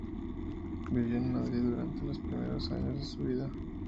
Vivió en Madrid durante los primeros años de su vida.